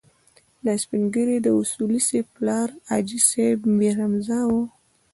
دا سپين ږيری د اصولي صیب پلار حاجي صیب میرحمزه و.